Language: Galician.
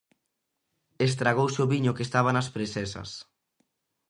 Estragouse o viño que estaba nas presexas.